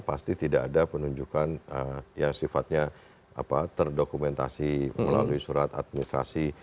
pasti tidak ada penunjukan yang sifatnya terdokumentasi melalui surat administrasi